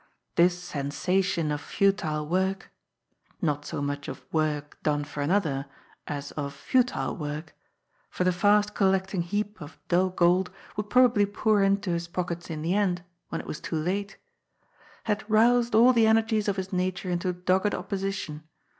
This sensation of futile work, — ^not so much of work done for another, as of futile work, for the fast colecting heap of dull gold would prob ably pour into his pockets in the end, when it was too late, — ^had roused all the energies of his nature into dogged op position.